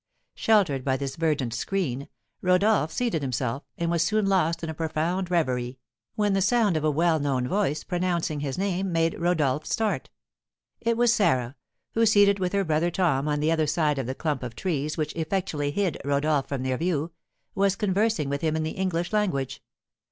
Sheltered by this verdant screen, Rodolph seated himself, and was soon lost in a profound reverie, when the sound of a well known voice, pronouncing his name, made Rodolph start. It was Sarah, who, seated with her brother Tom on the other side of the clump of trees which effectually hid Rodolph from their view, was conversing with him in the English language.